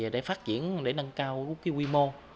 để phát triển để nâng cao quy mô